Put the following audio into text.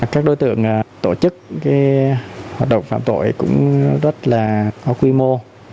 các đối tượng tổ chức hoạt động phạm tội cũng rất là có quy mô